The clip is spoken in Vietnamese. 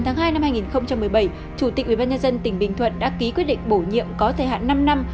ngày tám hai hai nghìn một mươi bảy chủ tịch ủy ban nhân dân tỉnh bình thuận đã ký quyết định bổ nhiệm có thời hạn năm năm